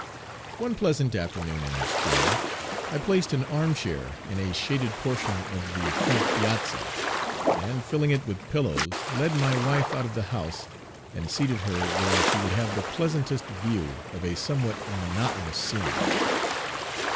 One pleasant afternoon in spring, I placed an armchair in a shaded portion of the front piazza, and filling it with pillows led my wife out of the house and seated her where she would have the pleasantest view of a somewhat monotonous scenery.